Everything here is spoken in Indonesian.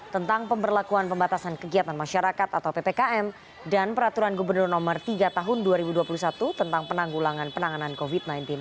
tentang pemberlakuan pembatasan kegiatan masyarakat atau ppkm dan peraturan gubernur no tiga tahun dua ribu dua puluh satu tentang penanggulangan penanganan covid sembilan belas